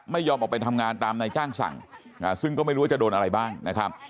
ไม่ยอมออกไปทำงานตามนายจ้างสั่งซึ่งก็ไม่รู้ว่าจะโดนอะไรบ้างนะครับ